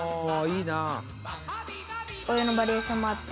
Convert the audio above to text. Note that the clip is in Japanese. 「お湯のバリエーションもあって」